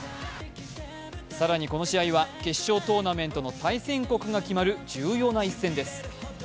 更に、この試合は決勝トーナメントの対戦国が決まる重要な一戦です。